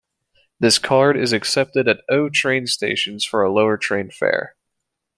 This card is accepted at O-Train stations for a lower train fare.